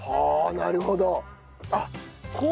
なるほど。